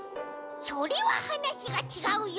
それははなしがちがうよ！